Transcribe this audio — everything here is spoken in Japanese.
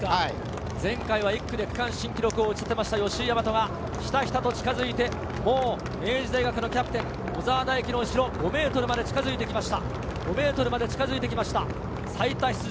前回１区で区間新記録を作った吉居大和がひたひたと近づいて、もう明治大学のキャプテン・小澤大輝の後ろ、５ｍまで近づいてきました。